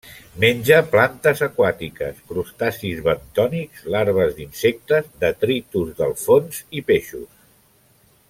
Menja plantes aquàtiques, crustacis bentònics, larves d'insectes, detritus del fons i peixos.